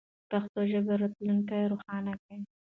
د پښتو ژبې راتلونکی روښانه دی.